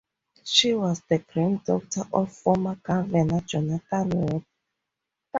She was the granddaughter of former Governor Jonathan Worth.